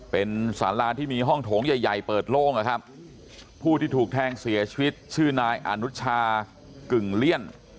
เป็นสาราที่มีห้องโถงใหญ่ใหญ่เปิดโล่งนะครับผู้ที่ถูกแทงเสียชีวิตชื่อนายอนุชากึ่งเลี่ยน